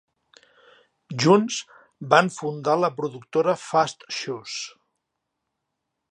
Junts van fundar la productora Fast Shoes.